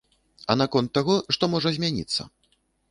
А наконт таго, што можа змяніцца?